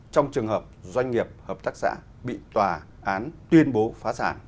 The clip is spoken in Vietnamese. trong trường hợp doanh nghiệp hợp tác xã bị tòa án tuyên bố phá sản